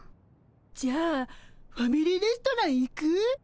じゃあファミリーレストラン行く？